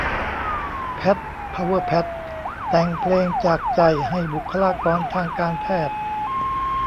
แพท พาวเวอร์แพท แต่งเพลงจากใจให้บุคลากรทางการแพทย์